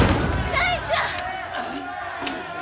大ちゃん！